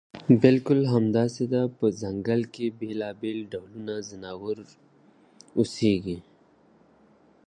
په ځنګل کې بېلابېل ډول ځناور اوسي.